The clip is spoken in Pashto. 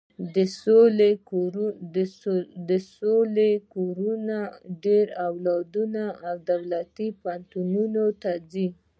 د سوکاله کورنیو ډېر اولادونه دولتي پوهنتونونو ته ځي.